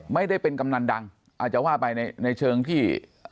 ไม่ได้เป็นกำนันดังอาจจะว่าไปในเชิงที่